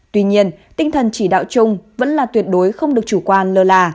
tuy nhiên tinh thần chỉ đạo chung vẫn là tuyệt đối không được chủ quan lơ là